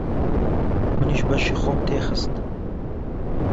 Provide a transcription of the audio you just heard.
منیش بەشی خۆم تێ خست.